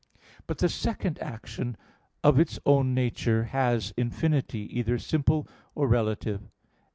But the second action of its own nature has infinity, either simple or relative.